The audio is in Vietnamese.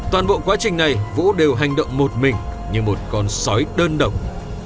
toàn bộ quá trình này vũ đều hành động một mình như một con sói đơn độc